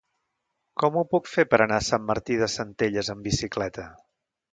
Com ho puc fer per anar a Sant Martí de Centelles amb bicicleta?